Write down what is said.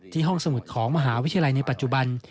ห้องสมุดของมหาวิทยาลัยในปัจจุบัน